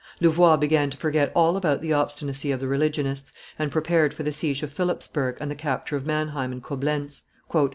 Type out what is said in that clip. Louvois began to forget all about the obstinacy of the religionists, and prepared for the siege of Philipsburg and the capture of Manheim and Coblentz.